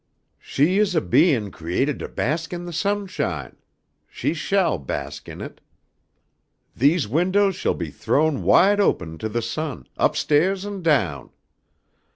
She is a bein' created to bask in the sunshine. She shall bask in it. These windows shall be thrown wide open to the sun, upstaiahs and down.